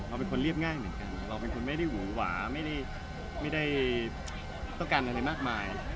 เราเป็นคนเรียบง่ายเหมือนกันเราเป็นคนไม่ได้หวือหวาไม่ได้ต้องการอะไรมากมาย